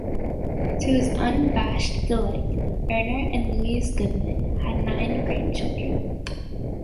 To his unabashed delight, Urner and Louise Goodman had nine grandchildren.